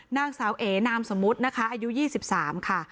นางสาวเอนามสมมุตินะคะอายุ๒๓ค่ะ